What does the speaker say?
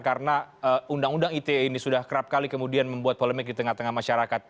karena undang undang ite ini sudah kerap kali kemudian membuat polemik di tengah tengah masyarakat